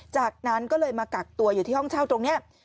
จากนั้นก็เลยมากักตัวอยู่ที่ห้องเช่าตรงนี้